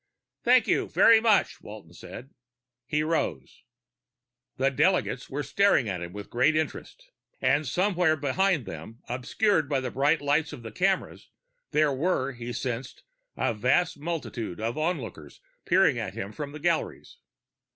"Thank you very much," Walton said. He rose. The delegates were staring at him with great interest ... and, somewhere behind them, obscured by the bright lights of the cameras, there were, he sensed, a vast multitude of onlookers peering at him from the galleries.